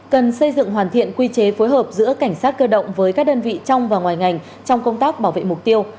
cần xây dựng hoàn thiện quy chế phối hợp giữa cảnh sát cơ động với các đơn vị trong và ngoài ngành trong công tác bảo vệ mục tiêu